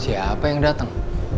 siapa yang datang